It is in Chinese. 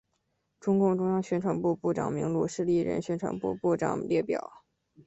中共中央宣传部部长名录是历任宣传部部长列表。